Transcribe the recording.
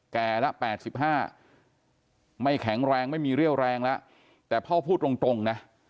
แก่ละ๘๕ไม่แข็งแรงไม่มีเรี่ยวแรงแล้วแต่พ่อพูดตรงนะ